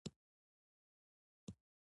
د شهسوار خان سترګې رډې راوختې.